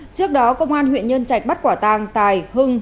trước đó công an huyện nhân trạch bắt quả tàng tài hưng